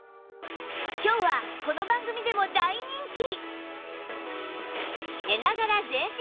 今日はこの番組でも大人気！